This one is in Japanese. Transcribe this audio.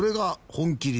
本麒麟